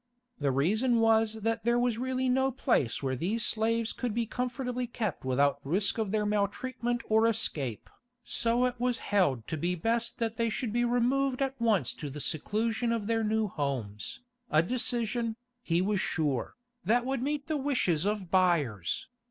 The reason was that there was really no place where these slaves could be comfortably kept without risk of their maltreatment or escape, so it was held to be best that they should be removed at once to the seclusion of their new homes, a decision, he was sure, that would meet the wishes of buyers.